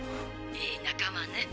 いい仲間ね。